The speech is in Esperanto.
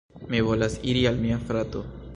Mi volas iri al mia frato.